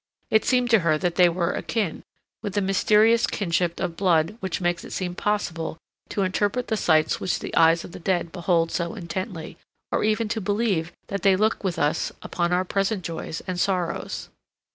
It seemed to her that they were akin, with the mysterious kinship of blood which makes it seem possible to interpret the sights which the eyes of the dead behold so intently, or even to believe that they look with us upon our present joys and sorrows.